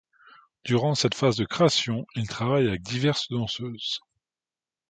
Durant cette phase de création, il travaille avec diverses danseuses.